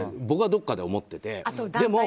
僕はどこかで思ってて。